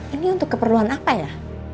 ini untuk keperluan apa ya